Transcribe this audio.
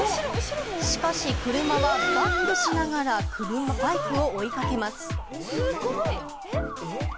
しかし車はバックしながらバイクを追いかけます。